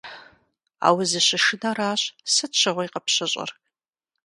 А узыщышынэращ сыт щыгъуи къыпщыщӀыр.